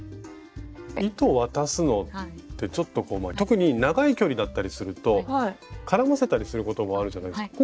糸を渡すのってちょっとこう特に長い距離だったりすると絡ませたりすることもあるじゃないですか